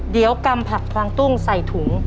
เดี๋ยวกำผักควางตุ้งใส่ถุง